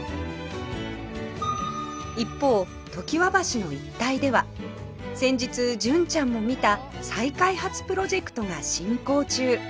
一方常磐橋の一帯では先日純ちゃんも見た再開発プロジェクトが進行中